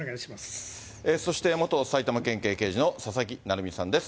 そして元埼玉県警刑事の佐々木成三さんです。